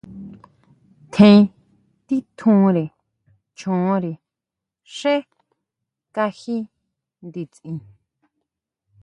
Tjen titjúnre choónre xé kají nditsin.